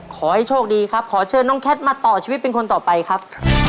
ขอให้โชคดีครับขอเชิญน้องแคทมาต่อชีวิตเป็นคนต่อไปครับ